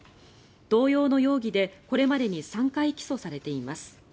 同様の容疑で、これまでに３回起訴されています。